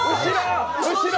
後ろ！